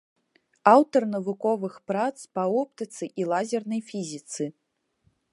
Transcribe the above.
Аўтар навуковых прац па оптыцы і лазернай фізіцы.